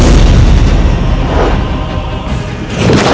serang hallway saja